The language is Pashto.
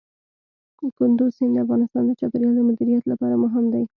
کندز سیند د افغانستان د چاپیریال د مدیریت لپاره مهم دی.